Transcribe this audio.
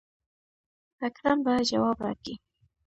اکرم به جواب راکي.